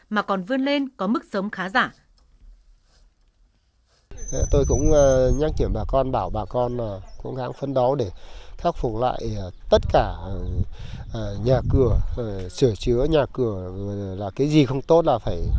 mà còn vươn lên có mức sống khá giả